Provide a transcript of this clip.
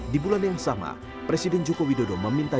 di bulan yang sama presiden joko widodo meminta